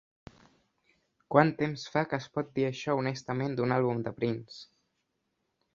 Quan temps fa que es pot dir això honestament d'un àlbum de Prince?